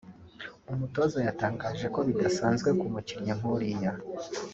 umutoza yatangaje ko bidasanzwe ku mukinnyi nk’uriya